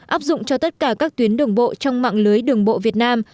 áp dụng cho tất cả các tuyến đường bộ trong mạng lưới đường bộ việt nam